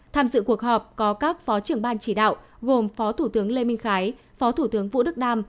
tham dự cuộc họp có các phó trưởng ban chỉ đạo gồm phó thủ tướng lê minh khái phó thủ tướng vũ đức đam